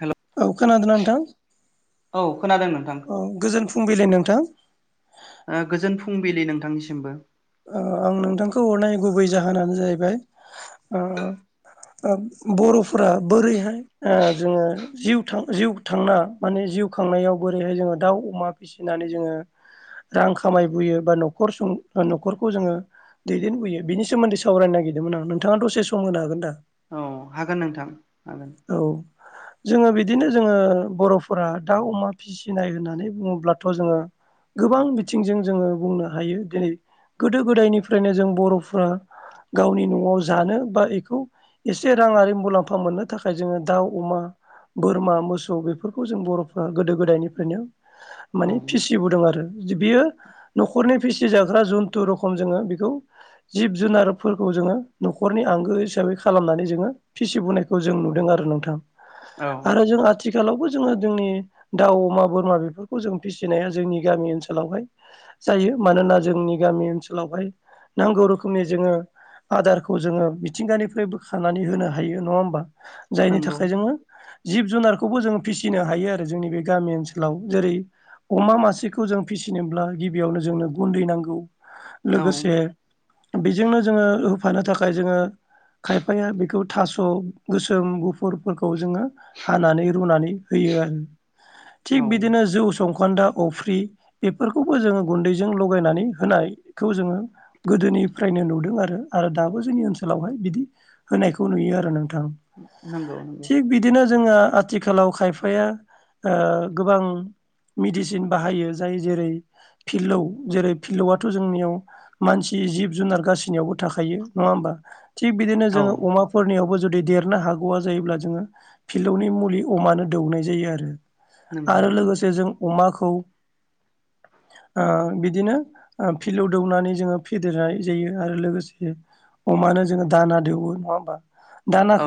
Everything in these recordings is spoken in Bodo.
हेल' औ खोनादोंना नोंथां औ खोनादों नोंथां औ गोजोन फुंबिलि नोंथां ओ गोजोन फुंबिलि नोंथांनिसिमबो ओ आं नोंथांखौ हरनाय गुबै जाहोनानो जाहैबाय बर'फोरा बोरैहाय जोङो जिउ था जिउ थांना माने जिउ खांनायाव बोरैहाय जोङो दाउ अमा फिसिनानै जोङो रां खामायबोयो बा न'खर सु नखरखौ जोङो दैदेनबोयो बिनि सोमोन्दै सावरायनो नागिरदोंमोन आं नोंथाङा दसे सम होनो हागोन दा औ हागोन नोंथां हागोन औ जोङो बिदिनो जोङो बर'फोरा दा अमा फिसिनाय होननानै बुङोब्लाथ' जोङो गोबां बिथिंजों जोङो बुंनो हायो दिनै गोदो गोदायनिफ्रायनो जों बर'फ्रा गावनि न'आव जानो बा बेखौ एसे राङारि मुलाम्फा मोननो थाखाय जोङो दाउ अमा बोरमा मोसौ बेफोरखौ जों बर'फ्रा गोदो गोदायनिफ्रायनो माने औ फिसिबोदों आरो बियो न'खरनि फिसिजाग्रा जुनथु रखम जोङो बेखौ जिब जुनारफोरखौ जोङो न'खरनि आंगो हिसाबै खालामनानै जोङो फिसिबोनायखौ जों नुदों आरो नोंथां औ आरो जों आथिखालावबो जोङो जोंनि दाउ अमा बोरमा बेफोरखौ जों फिसिनाया जोंनि गामि ओनसोलावहाय जायो मानोना जोंनि गामि ओनसोलावहाय नांगौ रोखोमनि जोङो आदारखौ जोङो मिथिंगानिफ्राय बोखानानै होनो हायो नङा होमबा जायनि नंगौ थाखाय जोङो जिब जुनारखौबो जों फिसिनो हायो आरो जोंनि बे गामि ओनसोलाव जेरै अमा मासेखौ जों फिसिनोब्ला गिबियावनो जोंनो गुन्दै नांगौ औ लोगोसे बेजोंनो जोङो होफानो थाखाय जोङो खायफाया बेखौ थास' गोसोम गुफुरफोरखौ जोङो हानानै रुनानै होयो आरो थिग औ बिदिनो जौ संखान्दा अफ्रि बेफोरखौबो जोङो गुन्दैजों लगायनानै होनायखौ जोङो गोदोनिफ्रायनो नुदों आरो आरो दाबो जोंनि ओनसोलावहाय बिदि होनायखौ नुयो आरो नोंथां नंगौ नंगौ थिग बिदिनो जोङो आथिखालाव खायफाया गोबां मेडिसिन बाहायो जाय जेरै फिलौ जेरै फिलौआथ' जोंनियाव मानसि जिब जुनार गासिनियावबो थाखायो नङा होमबा थिग बिदिनो औ जोङो अमाखौ फोरनियावबो जुदि देरनो हागौआ जायोब्ला जोङो फिलौनि मुलि अमानो दौनाय जायो आरो नंगौ आरो लोगोसे जों अमाखौ बिदिनो फिल्डआव दौनानै जोङो फेदेरनाय जायो आरो लोगोसे अमानो जोङो दाना दौवो नङा होमबा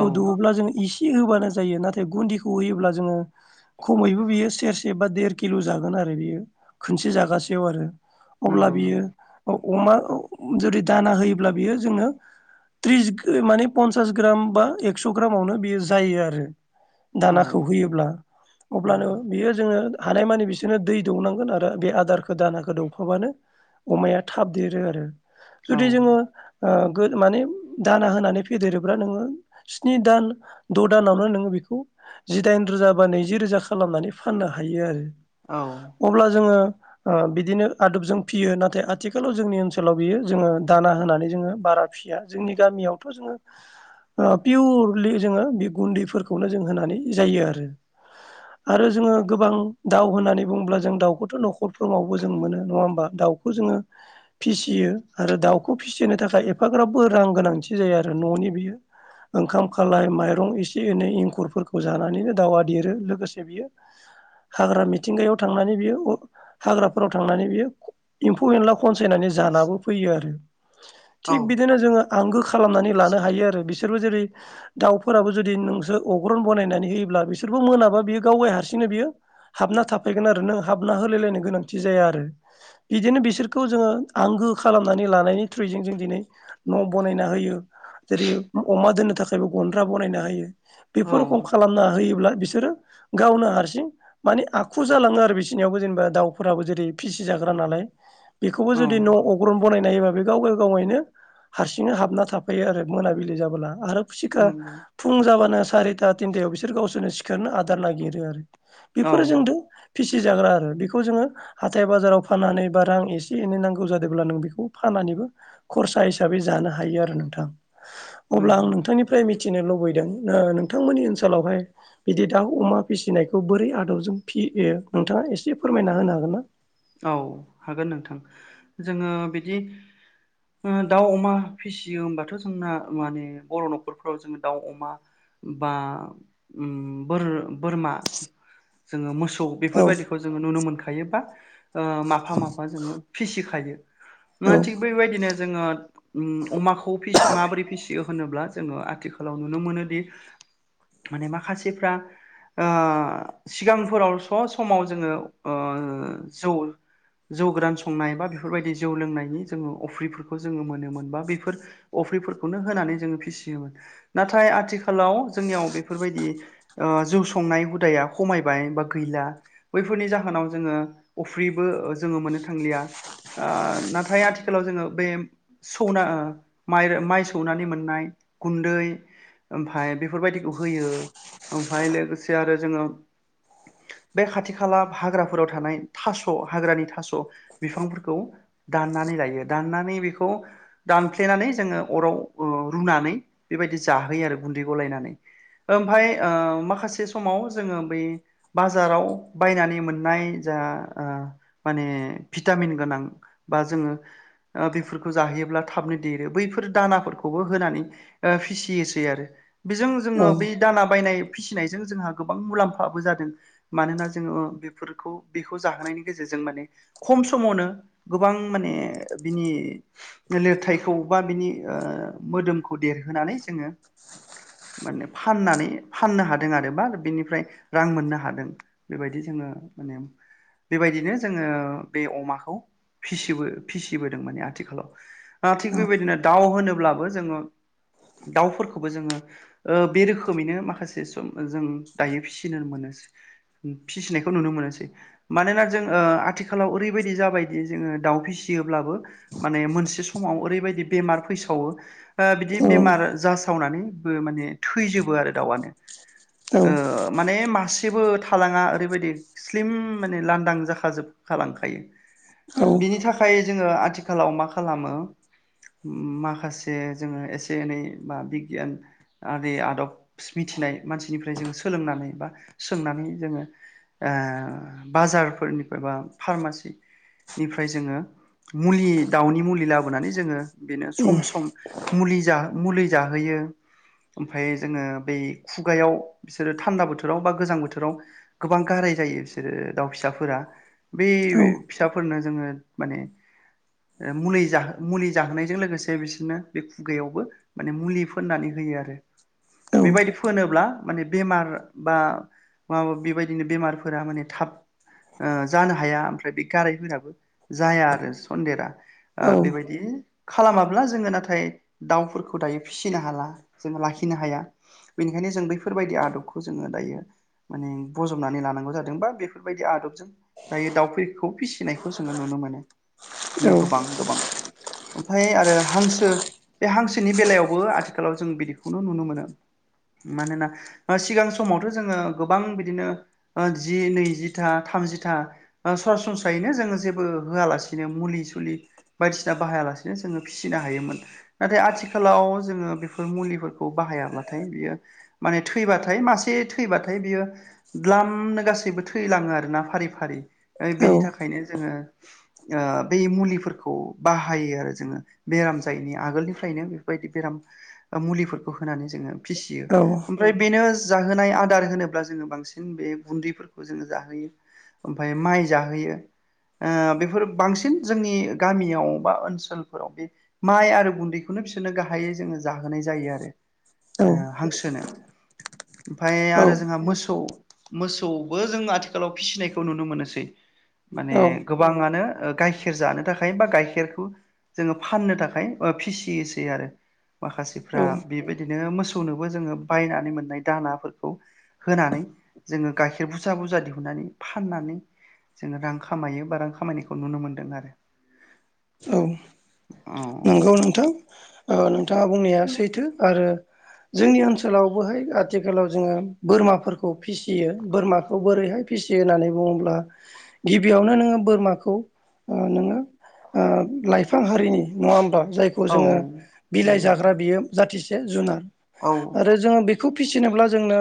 औ दौवोब्ला जोंङो इसि थि होबानो जायो नाथाय गुन्दिखौ होयोब्ला जोङो खमैबो बियो सेरसे बा देर किल' जागोन आरो बियो खनसे जागासेयाव आरो अब्ला नंगौ बियो नंगौ अमा जुदि दाना होयोब्ला बियो जोङो टिरिस माने पनसास ग्राम बा एकस' ग्रामावनो बेयो जायो आरो औ दानाखौ होयोब्ला अब्लानो नंगौ बियो जोङो हानायमानि बिसोरनो दै दौनांगोन आरो बे आदारखौ दानाखौ दौफाबानो अमाया थाबदेरो आरो औ जुदि जोङो माने दाना होनानै फेदेरोब्ला नोङो स्नि दान द' दानावनो नोङो बेखौ जिदाइन रोजा बा नैजि रोजा खालामनानै फाननो हायो आरो औ अब्ला जोङो ओ बिदिनो आदबजों फियो नाथाय आथिखालाव जोंनि ओनसोलाव बियो जोङो दाना होनानै जोङो बारा फिसिया जोंनि गामियावथ' जोङो ओ पियरलि जोङो बे गुन्दैफोरखौनो जों होनानै जायो आरो आरो जोङो गोबां दाउ होननानै बुङोब्ला जों दाउखौथ' न'खरफ्रोमावबो जों मोनो नङा होमबा दाउखौ जोङो फिसियो आरो दाउखौ फिसिनो थाखाय एफाग्राबाबो रां गोनांथि जायो आरो न'नि बि ओंखाम खालाय माइरं एसे एनै एंखुरफोरखौ जानानैनो दाउआ देरो लोगोसे बियो हाग्रा मिथिंगायाव थांनानै बियो हाग्राफोराव थांनानै बियो एम्फौ एनला खनसायनानै जानाबो फैयो आरो औ थिग बिदिनो जोङो आंगो खालामनानै लानो हायो आरो बिसोरबो जेरै दाउफोराबो जुदि नोंसोर अग्रन बानायनानै होयोब्ला बिसोरबो मोनाबा बियो गावाय हारसिंनो बियो हाबना थाफैगोन आरो नो हाबना होलायलायनो गोनांथि जाया आरो बिदिनो बिसोरखौ जोङो आंगो खालामनानै लानायनि थ्रुयैजों जों दिनै न' बानायना होयो जेरै अमा दोननो थाखायबो गन्द्रा बनायना होयो औ बेफोर रखम खालामना होयोब्ला बिसोरो गावनो हारसिं माने आखु जालाङो आरो बिसिनियावबो जेनेबा दाउफोराबो जेरै फिसि जा ग्रा नालाय बेखौबो औ जुदि न' अग्रन बानायनाय हायोबा बे गावाव गावैनो हारसिंनो हाबना थाफायो आरो मोनाबिलि जाबोला आरो सिखा नंगौ फुं जाबानो सारिथा थिनथायाव बिसोर गावसोरनो सिखारना आदार नागिरो आरो औ बेफोरो जोंदो फिसिजाग्रा आरो बेखौ जोङो हाथाय बाजाराव फानानै बा रां एसे एनै नांगौ जादोंब्ला नों बेखौ फानानैबो खरसा हिसाबै जानो हायो आरो नोंथां अब्ला नंगौ आं नोंथांनि फ्राय मिथिनो लुबैदों नोंथांमोननि ओनसोलावहाय बिदि दाउ अमा फिसिनायखौ बोरै आदबजों फियो नोंथाङा एसे फोरमायना होनो हागोन ना औ हागोन नोंथां जोङो बिदि दाउ अमा फिसियो होमबाथ' जोंना माने बर' न'खरफोराव जोङो दाउ अमा बा बोर बोरमा जोङो मोसौ औ बेफोरबायदिखौ जोङो नुनो मोनखायो बा ओ माफा माफा जोङो फिसिखायो मा औ थिग बेबायदिनो जोङो उम अमाखौ माबोरै फिसियो होनोब्ला जोङो आथिखालाव नुनो मोनोदि माने माखासेफ्रा ओ सिगांफोराव स' समाव जोङो ओ जौ जौ गोरान संनाय बा बेफोरबायदि जौ लोंनायनि जोङो अफ्रिफोरखौ जोङो मोनोमोन बा बैफोर अफ्रिफोरखौनो होनानै जोङो फिसियोमोन नाथाय आथिखालाव जोंनियाव बेफोर बायदि ओ जौ संनाय हुदाया खमायबाय बा गैला बैफोरनि जाहोनाव जोङो अफ्रिबो जोङो मोननो थांलिया आ नाथाय आथिखालाव जोङो बे सौना माइ सौनानै मोननाय गुन्दै ओमफाय बेफोरबायदिखौ होयो ओमफाय लोगोसे आरो जोङो बे खाथि खाला हाग्राफोराव थानाय थास' हाग्रानि थास' बिफांफोरखौ दाननानै लायो दाननानै बेखौ दानफ्लेनानै जोङो अरआव रुनानै बेबायदि जाहोयो आरो गुन्दै गलायनानै ओमफाय ओ माखासे समाव जोङो बै बाजाराव बायनानै मोननाय जा आ माने भिटामिन गोनां बा जोङो बेफोरखौ जाहोयोब्ला थाबनो देरो बैफोर दानाफोरखौबो होनानै ओ फिसियोसै आरो बेजों औ जोङो बै दाना बायनाय फिसिनायजों जोंहा गोबां मुलाम्फाबो जादों मानोना जोङो बेफोरखौ बे खौ जाहोनायनि गेजेरजों माने खम समावनो गोबां माने बिनि लिरथायखौ बा बिनि मोदोमखौ देरहोनानै जोङो माने फाननानै फाननो हादों आरो बा बेनिफ्राय रां मोननो हादों बेबायदि जोङो माने बेबायदिनो जोङो बे अमाखौ फिसिबो फिसिबोदों माने आथिखालाव थिग औ बेबायदिनो दाउ होनोब्लाबो जोङो दाउफोरखौबो जोङो बे रोखोमैनो माखासे सम जों दायो फिसिन मोनो फिसिनायखौ नुनो मोनोसै मानोना जों आथिखालाव ओरैबायदि जाबायदि जोङो दाउ फिसियोब्लाबो माने मोनसे समाव ओरैबायदि बेमार फैसावो बिदि बेमार जासावनानैबो माने थैजोबो आरो दाउआनो ओ औ माने मासेबो थालाङा ओरैबायदि स्लिम माने लांदां जाखाजोब लांखायो बिनि थाखाय फाय जोङो आथिखालाव मा खालामो। माखासे जोङो एसे एनै बा बिगियान आरो आदब मिथिनाय मानसिनिफ्राय जोङो सोलोंनानै बा सोंनानै जोङो बाजारफोरनिफ्राय बा फारमासिनिफ्राय जोङो मुलि दाउनि मुलि लाबोनानै जोङो बेनो सम सम मुलि मुलि जाहोयो ओमफ्राय जोङो बै खुगायाव बिसोरो थान्दा बोथोराव बा गोजां बोथोराव गोबां गाराय जायो बिसोरो दाउ फिसाफोरा बै फिसाफोरनो जोङो माने मुलि मुलि जाहोनायजों लोगोसे बिसोरनो बे खुगायावबो माने मुलि फोननानै होयो आरो बेबायदि फोनोब्ला माने बेमार बा माबा बेबायदिनो बेमारफोरा माने थाब जानो हाया ओमफ्राय बे गारायफोराबो जाया आरो सन्देरा बेबायदि खालामाब्ला जोङो नाथाय दाउफोरखौ दायो फिसिनो हाला जोङो लाखिनो हाया बेनिखायनो जों बैफोरबायदि आदबखौ जोङो दायो माने बजबनानै लानांगौ जादों बा बे बेफोरबायदि आदबजों दायो दाउफोरखौ फिसिनायखौ जोङो नुनो मोनो। बिदिनो गोबां गोबां ओमफ्राय आरो हांसो बे हांसोनि बेलायावबो आथिखालाव जों बिदिखौनो नुनो मोनो। मानोना सिगां समावथ' जोङो गोबां बिदिनो जि नैजि था थामजिथा सरासनस्रायैनो जोङो जेबो होआलासिनो मुलि सुलि बायदिसिना बाहायालासेनो जोङो फिसिनो हायोमोन नाथाय आथिखालाव जोङो बेफोर मुलिफोरखौ बाहायाब्लाथाय बियो माने थैबाथाय मासे थैबाथाय बियो द्लामनो गासैबो थै थैलाङो आरोना फारि फारि बेनि थाखायनो जोङो बै मुलिफोरखौ बाहायो आरो जोङो बेराम जायैनि आगोलनिफ्रायनो बेफोरबायदि बेराम मुलिफोरखौ होनानै जोङो फिसियो ओमफ्राय बेनो जाहोनाय आदार होनोब्ला जोङो बांसिन बे गुन्दैफोरखौ बेखौ जोङो जाहोयो ओमफ्राय माइ जाहोयो बेफोर बांसिन जोंनि गामियाव बा ओनसोलफोराव बे माइ आरो गुन्दैखौनो बिसोरनो गाहायै जोङो जाहोनाय जायो आरो हांसोनो ओमफ्राय आरो जोंहा मोसौ मोसौ बो जों आथिखालाव फिसिनायखौ नुनो मोनोसै माने गोबाङानो गाइखेर जानो थाखाय बा गाइखेरखौ जोङो फाननो थाखाय फिसियोसै आरो माखासेफ्रा बेबायदि बिदिनो मोसौनोबो जोङो बायनानै मोननाय दानाफोरखौ होनानै जोङो गाइ गाइखेर बुरजा बुरजा दिहुननानै फाननानै जोङो रां खामायो बा रां खामायनायखौ नुनो मोन्दों आरो औ औ नंगौ नोंथां नोंथाङा बुंनाया सैथो आरो जोंनि ओनसोलावबोहाय आथिखालाव जोङो बोरमाफोरखौ फिसियो बोरमाखौ बोरैहाय फिसियो होननानै बुङोब्ला गिबियावनो नोङो बोरमाखौ नोङो लाइफां हारिनि नङा होमब्ला जायखौ औ जोङो बिलाइ नंगौ जाग्रा बियो जाथिसे जुनार औ आरो जोङो बेखौ फिसिनोब्ला जोंनो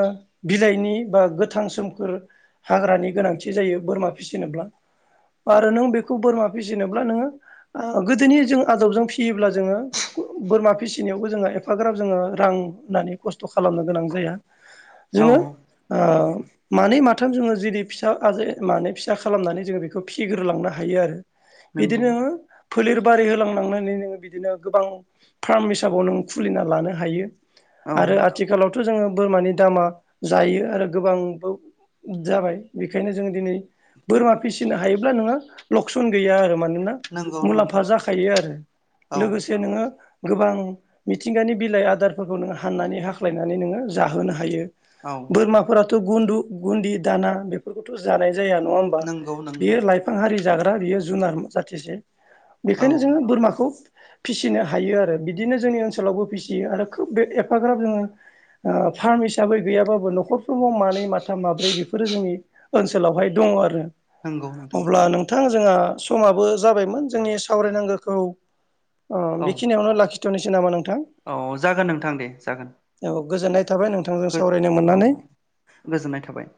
बिलाइनि बा गोथां सोमखोर हाग्रानि गोनांथि जायो बोरमा फिसिनोब्ला आरो नों बेखौ बोरमा फिसिनोब्ला नोङो गोदोनि जों आदबजों फिसियोब्ला जोङो बोरमा फिसिनायावबो जोङो एफाग्राब जोङो रां होनानै खस्थ' खालामनो गोनां जाया औ जोङो मानै माथाम जोङो जेदि फिसा आजै मानै फिसा खालामनानै जोङो बेखौ फिसिग्रोलांनो हायो आरो नंगौ बिदिनो फोलेर बारि होलांनांनानै नोङो बिदिनो गोबां फ्राम हिसाबाव नों खुलिना लानो हायो औ आरो आथिखालाव' थ' जोङो बोरमानि दामा जायो आरो गोबांबो जाबाय बेखायनो जों दिनै बोरमा फिसिनो हायोब्ला नोङो लकसन गैया आरो मानोना नंगौ नंगौ मुलाम्फा जाखायो आरो औ लोगोसे नोङो गोबां मिथिंगानि बिलाइ आदारफोरखौ नोङो हाननानै हाख्लायनानै नोङो जाहोनो हायो औ बोरमाफोराथ' गुन्दु गुनदि दाना बेफोरखौथ' जानाय जाया नङा होम नंगौ नंगौ बियो लाइफां हारि जाग्रा बियो जुनार जाथिसे औ बेखायनो जोङो बोरमाखौ फिसिनो हायो आरो बिदिनो जोंनि ओनसोलावबो फिसियो आरो खोब बे एफाग्राब जोङो फार्म हिसाबै गैयाब्लाबो न'खर मानै माथाम माब्रै बेफोरो जोंनि ओनसोलावहाय दङ आरो नंगौ नोंथां अब्ला नों मोंथां जोंहा समाबो जाबायमोन जोंनि सावरायनांगौखौ औ बेखिनियावनो लाखि थनिसै नामा नोंथां औ जागोन नोंथां दे जागोन औ गोजोननाय थाबाय नों औ गोजोननाय थाबाय